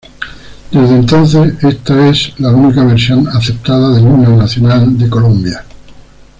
Desde entonces esta es la única versión aceptada del Himno Nacional de Colombia.